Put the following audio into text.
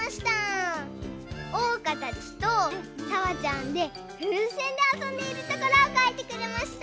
おうかたちとさわちゃんでふうせんであそんでいるところをかいてくれました。